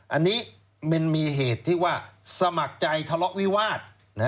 อันนี้มันมีเหตุที่ว่าสมัครใจทะเลาะวิวาส